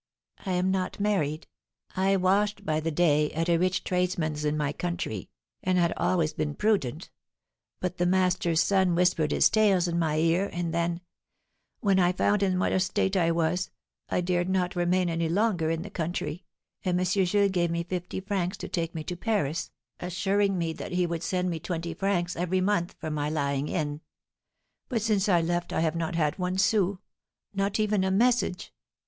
"I am not married. I washed by the day at a rich tradesman's in my country, and had always been prudent; but the master's son whispered his tales in my ear, and then When I found in what a state I was, I dared not remain any longer in the country, and M. Jules gave me fifty francs to take me to Paris, assuring me that he would send me twenty francs every month for my lying in; but since I left I have not had one sou, not even a message.